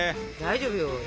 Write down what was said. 大丈夫よ。